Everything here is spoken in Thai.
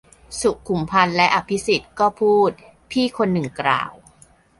สุขุมพันธุ์และอภิสิทธิ์ ก็พูด - พี่คนหนึ่งกล่าว